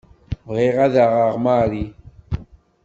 Bɣiɣ ad aɣeɣ Marie.